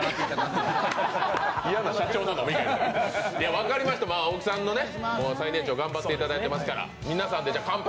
分かりました、大木さんのね、最年長、頑張っていただいていますから皆さんで「乾杯」